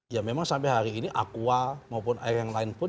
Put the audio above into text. ya memang sampai hari ini aqua maupun air yang lain pun